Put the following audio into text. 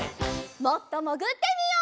もっともぐってみよう！